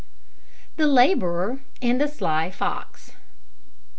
THE LABOURER AND THE SLY FOX.